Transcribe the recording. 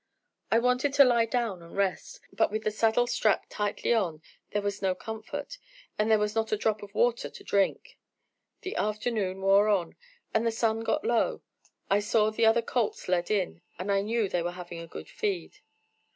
I wanted to lie down and rest, but with the saddle strapped tightly on, there was no comfort, and there was not a drop of water to drink. The afternoon wore on, and the sun got low. I saw the other colts led in, and I knew they were having a good feed.